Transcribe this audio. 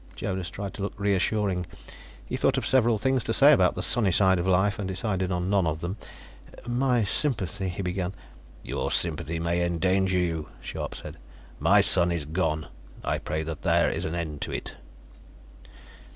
Jonas tried to look reassuring. He thought of several things to say about the sunny side of life, and decided on none or them. "My sympathy " he began. "Your sympathy may endanger you," Scharpe said. "My son is gone; I pray that there is an end to it."